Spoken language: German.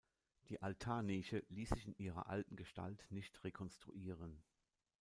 Die Altarnische ließ sich in ihrer alten Gestalt nicht rekonstruieren.